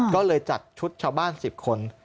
ก็เลยจัดชุดชาวบ้าน๑๐คน